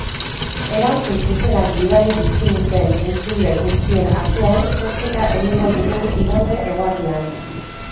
Erantzun zuzenak bidali dizkiguten entzule guztien artean zozketa egingo dugu igande eguerdian.